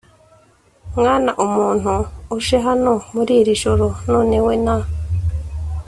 mwana umuntu uje hano muri iri joro none we na